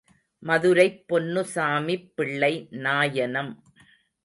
மதுரைப் பொன்னுசாமிப்பிள்ளை நாயனம்.